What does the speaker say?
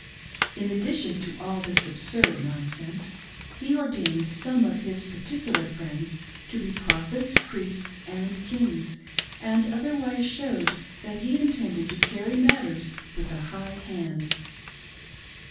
In addition to all this absurd nonsense, he ordained some of his particular friends to be prophets, priests, and kings, and otherwise showed that he intended to carry matters with a high haiid.